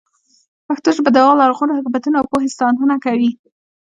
پښتو ژبه د هغو لرغونو حکمتونو او پوهې ساتنه کوي.